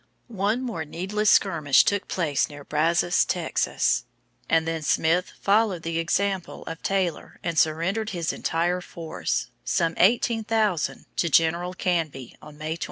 One more needless skirmish took place near Brazos, Texas, and then Smith followed the example of Taylor and surrendered his entire force, some eighteen thousand, to General Canby, on May 26.